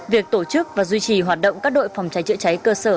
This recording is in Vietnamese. việc tổ chức và duy trì hoạt động các đội phòng cháy chữa cháy cơ sở